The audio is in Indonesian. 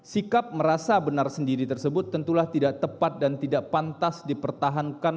sikap merasa benar sendiri tersebut tentulah tidak tepat dan tidak pantas dipertahankan